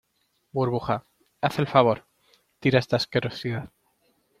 burbuja, haz el favor , tira esta asquerosidad